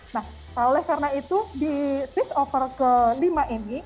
nah oleh karena itu di switch over kelima ini